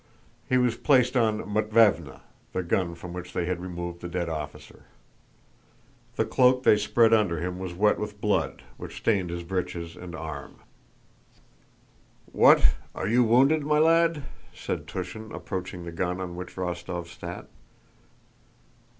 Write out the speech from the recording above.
He was placed on "Matvévna," the gun from which they had removed the dead officer. The cloak they spread under him was wet with blood which stained his breeches and arm. "What, are you wounded, my lad?" said Túshin, approaching the gun on which Rostóv sat.